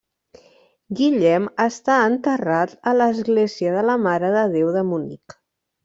Guillem està enterrat a l'Església de la Mare de Déu de Munic.